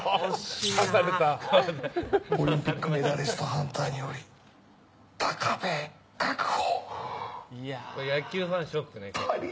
オリンピックメダリストハンターにより高部、確保。